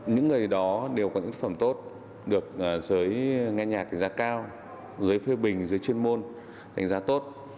những người đó đều có những tác phẩm tốt được giới nghe nhạc đánh giá cao dưới phê bình dưới chuyên môn đánh giá tốt